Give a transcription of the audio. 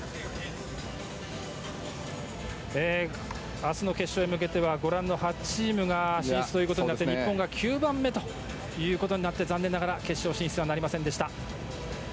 明日の決勝に向けてはご覧の８チームが進出となって日本が９番目となって残念ながら決勝進出となりませんでした。